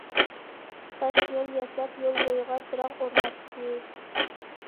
تاشيول ياساپ، يول بويىغا چىراغ ئورناتتى.